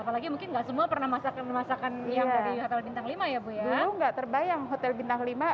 apalagi mungkin nggak semua pernah masakan masakan yang dari hotel bintang lima ya bu ya